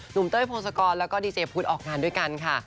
หนุ่มเต้ยโพสกรแล้วก็ดีเจฟุนออกงานด้วยกันค่ะ